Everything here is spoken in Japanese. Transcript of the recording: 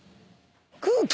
空気！